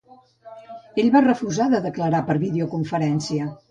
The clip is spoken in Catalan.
Ell va refusar de declarar per videoconferència.